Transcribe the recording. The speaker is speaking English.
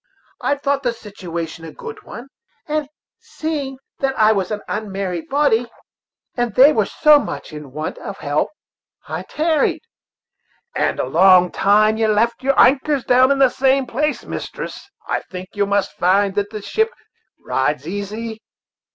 I thought the situation a good one, seeing that I was an unmarried body, and they were so much in want of help; so I tarried." "And a long time you've left your anchors down in the same place, mistress. I think yo' must find that the ship rides easy."